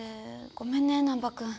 ごめんね難破君。